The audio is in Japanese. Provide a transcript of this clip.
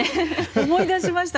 思い出しました。